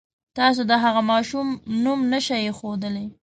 تاسو د هغه ماشوم نوم نه شئ اېښودلی.